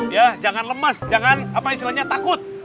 ya jangan lemas jangan apa istilahnya takut